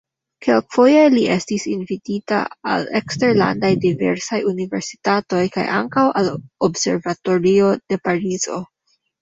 Kelkfoje li estis invitita al eksterlandaj diversaj universitatoj kaj ankaŭ al observatorio de Parizo.